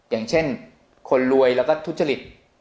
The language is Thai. อย่างเช่นคนรวยแล้วก็ทุจริต